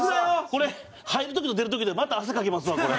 これ入る時と出る時でまた汗かきますわこれ。